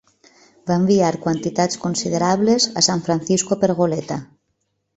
Va enviar quantitats considerables a San Francisco per goleta.